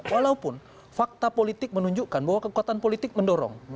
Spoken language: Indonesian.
walaupun fakta politik menunjukkan bahwa kekuatan politik mendorong